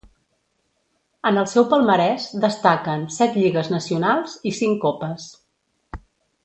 En el seu palmarès destaquen set lligues nacionals i cinc copes.